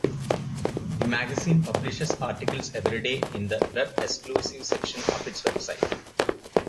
The magazine publishes articles every day in the "Web Exclusives" section of its website.